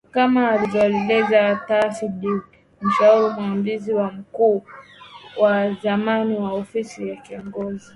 kama anavyoeleza Thalif Deen mshauri mwandamizi na mkuu wa zamani wa ofisi ya kiongozi